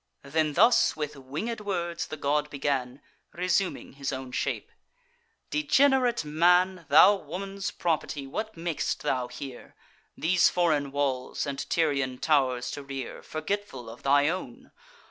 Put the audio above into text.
Then thus, with winged words, the god began, Resuming his own shape: "Degenerate man, Thou woman's property, what mak'st thou here, These foreign walls and Tyrian tow'rs to rear, Forgetful of thy own?